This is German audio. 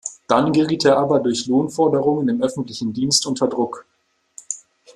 Dann geriet er aber durch Lohnforderungen im öffentlichen Dienst unter Druck.